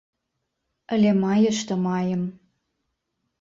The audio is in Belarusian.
Але мае што маем.